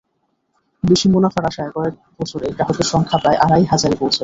বেশি মুনাফার আশায় কয়েক বছরে গ্রাহকের সংখ্যা প্রায় আড়াই হাজারে পৌঁছায়।